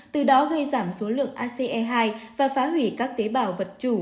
từ đó gây giảm số lượng ace hai và phá hủy các tế bào vật chủ